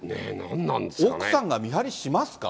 奥さんが見張りしますか？